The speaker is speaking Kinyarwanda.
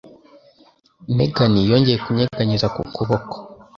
Megan yongeye kunyeganyeza ku kuboko.